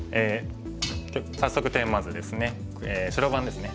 早速テーマ図ですね。